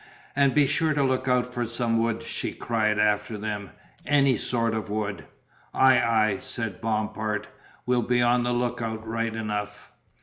"And be sure to look out for some wood," she cried after them, "any sort of wood." "Ay, ay," said Bompard, "we'll be on the look out right enough."